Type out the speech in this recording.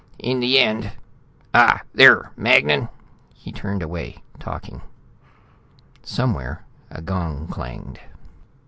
In the end Ah, there, Magnan." He turned away, talking. Somewhere a gong clanged.